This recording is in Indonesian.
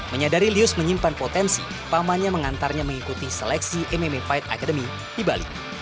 menyadari lius menyimpan potensi pamannya mengantarnya mengikuti seleksi mma fight academy di bali